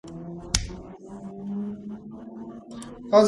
რევოლუციამდელ რუსეთში სანაშენე საქმე მეტად სუსტად იყო განვითარებული.